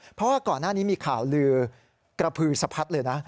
เพราะว่าก่อนหน้านี้มีข่าวลือกระพือสะพัดเลยนะ